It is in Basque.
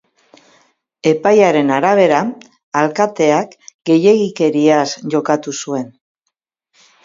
Epaiaren arabera, alkateak gehiegikeriaz jokatu zuen.